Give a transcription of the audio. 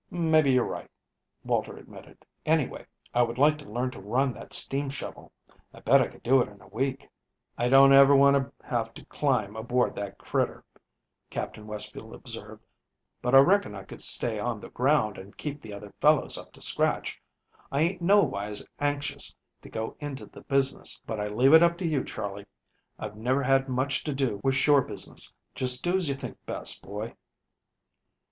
"Maybe you're right," Walter admitted. "Anyway, I would like to learn to run that steam shovel. I bet I could do it in a week." "I don't ever want to have to climb aboard that critter," Captain Westfield observed; "but I reckon I could stay on the ground and keep the other fellows up to scratch. I ain't nowise anxious to go into the business, but I leave it up to you, Charley. I've never had much to do with shore business. Just do as you think best, boy."